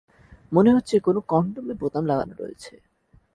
মনে হচ্ছে কোনো কন্ডমে বোতাম লাগানো রয়েছে।